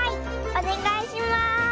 おねがいします！